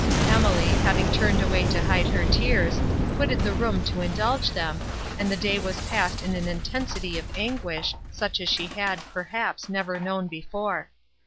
Emily, having turned away to hide her tears, quitted the room to indulge them, and the day was passed in an intensity of anguish, such as she had, perhaps, never known before.